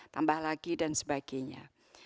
tambah lagi dan sebagainya